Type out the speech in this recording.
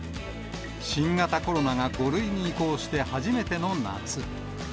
新型コロナが５類に移行して初めての夏。